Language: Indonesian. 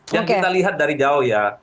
yang kita lihat dari jauh ya